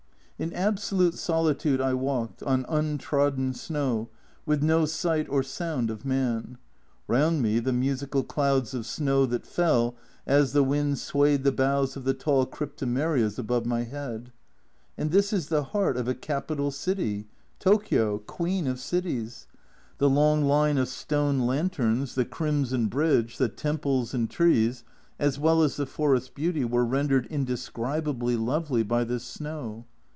In absolute solitude I walked, on untrodden snow, with no sight or sound of man round me the musical clouds of snow that fell as the wind swayed the boughs of the tall cryptomerias above my head. And this is the heart of a capital city, Tokio, queen of cities. The long line of stone lanterns, the crimson bridge, the temples and trees, as well as the forest beauty, were rendered indescribably lovely by this snow.